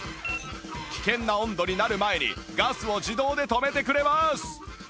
危険な温度になる前にガスを自動で止めてくれます